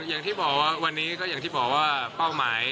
คุณพิชาขออีกบางนโยบายได้ไหมครับ